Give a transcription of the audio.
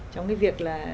trong cái việc là